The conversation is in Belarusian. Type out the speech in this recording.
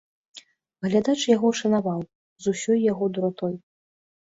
Глядач яго шанаваў, з усёй яго дуратой.